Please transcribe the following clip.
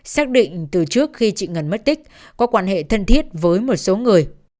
xác định từ trước khi chị ngân mất tích có quan hệ thân thiết với một số người